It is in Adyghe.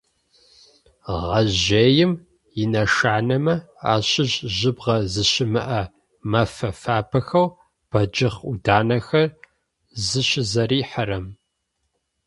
Гъэжъыем инэшанэмэ ащыщ жьыбгъэ зыщымыӏэ мэфэ фабэхэу бэджыхъ ӏуданэхэр зыщызэрихьэрэм.